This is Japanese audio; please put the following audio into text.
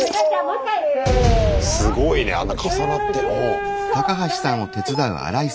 すごいねあんな重なって。